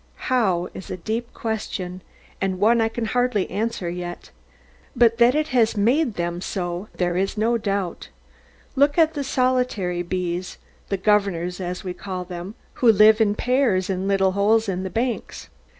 How, is a deep question, and one I can hardly answer yet. But that it has made them so there is no doubt. Look at the solitary bees the governors as we call them, who live in pairs, in little holes in the banks.